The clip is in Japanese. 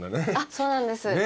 そうなんです。